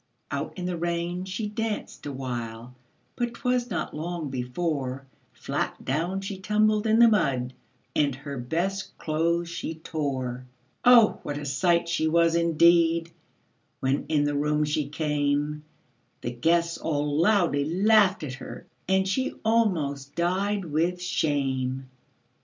Out in the rain she danced awhile, But 'twas not long before Flat down she tumbled in the mud, And her best clothes she tore. Oh! what a sight she was, indeed, When in the room she came; The guests all loudly laughed at her, And she almost died with shame.